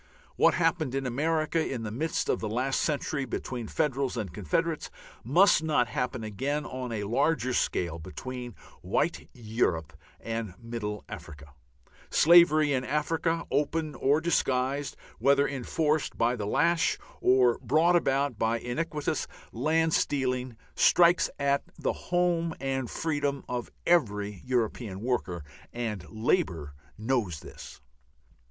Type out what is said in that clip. What happened in America in the midst of the last century between Federals and Confederates must not happen again on a larger scale between white Europe and middle Africa. Slavery in Africa, open or disguised, whether enforced by the lash or brought about by iniquitous land stealing, strikes at the home and freedom of every European worker and Labour knows this.